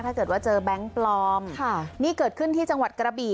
ถ้าเกิดว่าเจอแบงค์ปลอมค่ะนี่เกิดขึ้นที่จังหวัดกระบี่